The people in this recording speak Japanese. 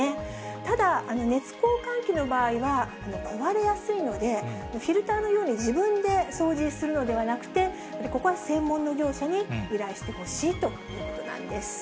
ただ、熱交換器の場合は、壊れやすいので、フィルターのように自分で掃除するのではなくて、ここは専門の業者に依頼してほしいということなんです。